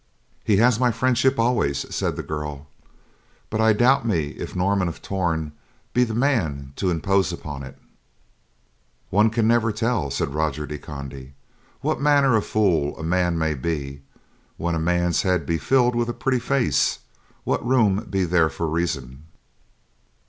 "He has my friendship, always," said the girl, "but I doubt me if Norman of Torn be the man to impose upon it." "One can never tell," said Roger de Conde, "what manner of fool a man may be. When a man's head be filled with a pretty face, what room be there for reason?"